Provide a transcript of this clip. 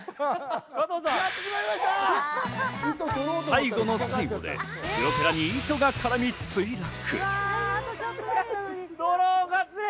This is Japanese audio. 最後の最後でプロペラに糸が絡み墜落。